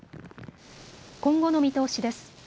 今後の見通しです。